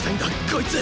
こいつ！